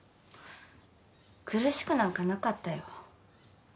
苦しくなんかなかったよ。